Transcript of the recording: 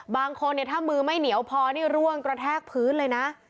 บางคนเนี่ยถ้ามือไม่เหนียวพอนี่ร่วงกระแทกพื้นเลยนะ